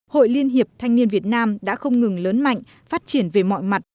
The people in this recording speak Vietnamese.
hội liên hiệp thanh niên việt nam đã không ngừng lớn mạnh phát triển về mọi mặt